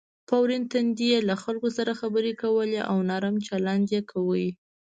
په ورین تندي یې له خلکو سره خبرې کولې او نرم چلند یې کاوه.